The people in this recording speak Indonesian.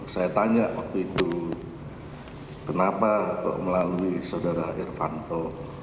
saya tanya waktu itu kenapa melalui sudara irvanto